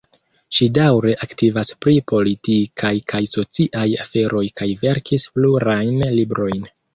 Ŝi daŭre aktivas pri politikaj kaj sociaj aferoj kaj verkis plurajn librojn.